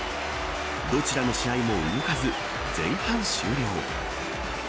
どちらの試合も動かず前半終了。